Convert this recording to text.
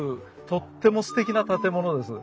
とってもすてきな建物です。